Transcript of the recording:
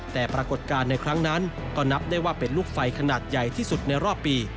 แต่ปรากฏการณ์ในครั้งนั้นก็นับได้ว่าเป็นลูกไฟขนาดใหญ่ที่สุดในรอบปี